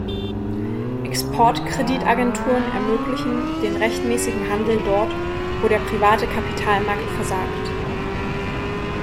Exportkreditagenturen ermöglichen den rechtmäßigen Handel dort, wo der private Kapitalmarkt versagt.